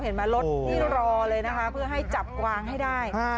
เห็นไหมรถนี่รอเลยนะคะเพื่อให้จับกวางให้ได้